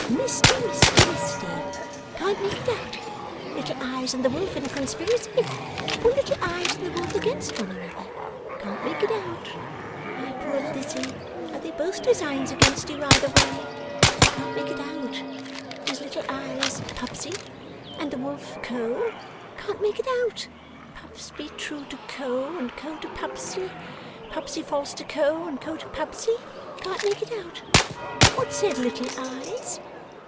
'Misty, misty, misty. Can't make it out. Little Eyes and the wolf in a conspiracy? Or Little Eyes and the wolf against one another? Can't make it out. My poor Lizzie, have they both designs against you, either way? Can't make it out. Is Little Eyes Pubsey, and the wolf Co? Can't make it out. Pubsey true to Co, and Co to Pubsey? Pubsey false to Co, and Co to Pubsey? Can't make it out. What said Little Eyes?